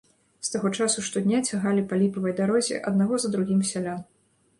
З таго часу штодня цягалі па ліпавай дарозе аднаго за другім сялян.